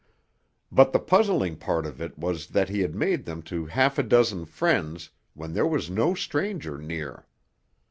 But the puzzling part of it was that he had made them to half a dozen friends when there was no stranger near.